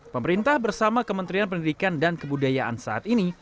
pemerintah bersama kementerian pendidikan dan kebudayaan saat ini